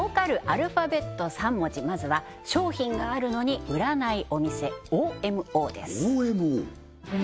アルファベット３文字まずは商品があるのに売らないお店ＯＭＯです